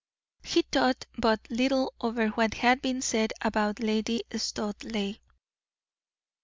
He thought but little over what had been said about Lady Studleigh.